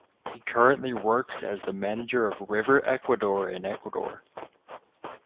He currently works as the manager of River Ecuador in Ecuador.